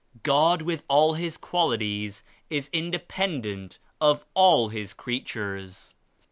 God with all His qualities is independent of all His creatures.